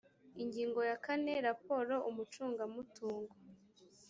ingingo ya kane raporo umucungamutungo